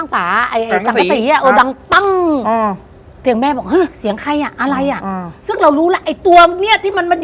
เป็นสติบไปเลย